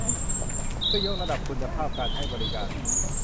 เพื่อยกระดับคุณภาพการให้บริการ